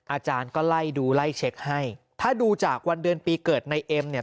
อาจารย์ก็ไล่ดูไล่เช็คให้ถ้าดูจากวันเดือนปีเกิดในเอ็มเนี่ย